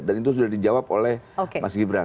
dan itu sudah dijawab oleh mas gibran